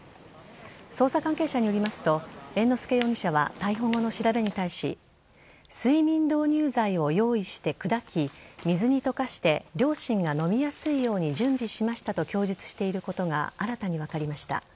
捜査関係者によりますと猿之助容疑者は逮捕後の調べに対し睡眠導入剤を用意して砕き水に溶かして両親が飲みやすいように準備しましたと供述していることが新たに分かりました。